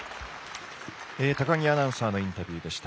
高木アナウンサーのインタビューでした。